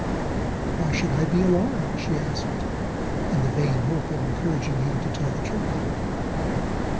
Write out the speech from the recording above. "Why should I be alarmed?" she asked, in the vain hope of encouraging him to tell the truth.